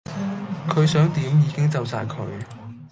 佢想點已經就哂佢